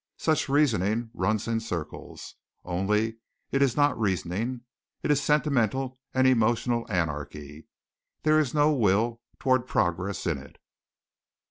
Such reasoning runs in circles. Only it is not reasoning. It is sentimental and emotional anarchy. There is no will toward progress in it.